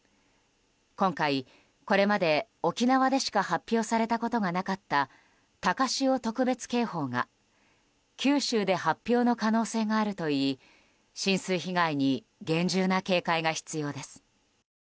今回、これまで沖縄でしか発表されたことがなかった高潮特別警報が九州で発表の可能性があるといい浸水被害に厳重な警戒が必要です。